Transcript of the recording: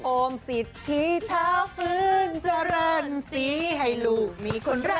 โอ้มสิทธิเท้าฟื้นเจริญศรีให้ลูกมีคนรักคนเมตตา